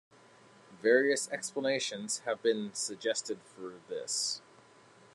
Various explanations have been suggested for this.